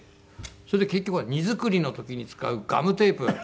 それで結局は荷造りの時に使うガムテープ。